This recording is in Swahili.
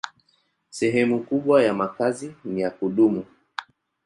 Sehemu kubwa ya makazi ni ya kudumu.